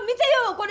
これ。